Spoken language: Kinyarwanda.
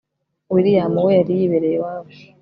william we yari yibereye iwabo